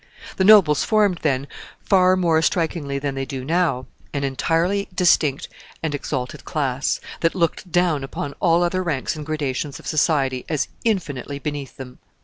The nobles formed then, far more strikingly than they do now, an entirely distinct and exalted class, that looked down upon all other ranks and gradations of society as infinitely beneath them.